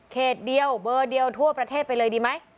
เดียวเบอร์เดียวทั่วประเทศไปเลยดีไหม